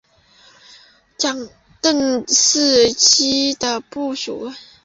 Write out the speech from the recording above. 郑士琦的部属。